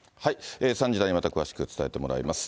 ３時台にまた詳しく伝えてもらいます。